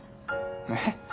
えっ？